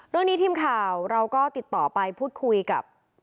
เรื่องนี้ทีมข่าวเราก็ติดต่อไปพูดคุยกับ